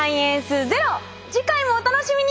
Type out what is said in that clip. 次回もお楽しみに！